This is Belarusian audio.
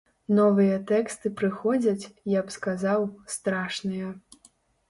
Новыя тэксты прыходзяць, я б сказаў, страшныя.